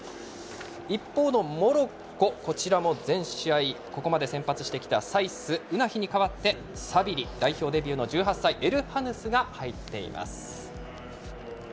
一方のモロッコ、こちらも全試合、ここまで先発してきたサイス、ウナヒに代わってサビリ代表デビューの１８歳エルハヌスが入っています。